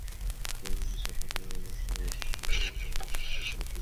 বাকি অংশ ছাপা হবে আগামীকালমোস্তাফিজুর রহমান, শিক্ষকবীরশ্রেষ্ঠ নূর মোহাম্মদ পাবলিক কলেজ, ঢাকা।